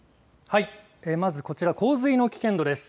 まずこちら洪水の危険度です。